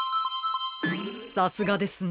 さすがですね。